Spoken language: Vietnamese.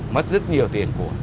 mất rất nhiều tiền vụ